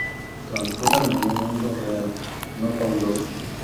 Transcurren en un mundo real, no fabuloso.